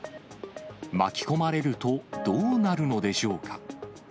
巻き込まれるとどうなるのでしょうか。